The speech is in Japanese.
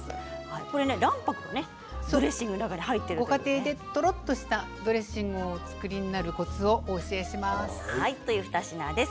これは卵白ドレッシングの中にご家庭で、どろっとしたドレッシングをお作りになるコツをお教えします。